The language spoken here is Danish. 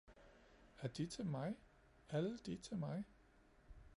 — Er de til mig? Alle de til mig...